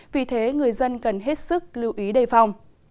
vì thế người dân cần hết sức lưu ý đề phòng